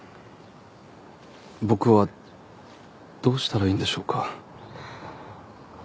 僕はどうしたらいいんでしょうか。